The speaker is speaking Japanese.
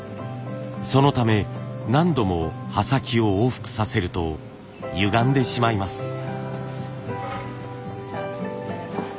そのため何度も刃先を往復させるとゆがんでしまいます。